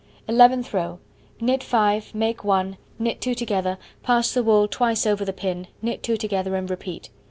Eleventh row: Knit 5, make 1, knit 2 together, pass the wool twice over the pin, knit 2 together, and repeat.